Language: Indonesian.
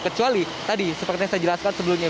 kecuali tadi seperti yang saya jelaskan sebelumnya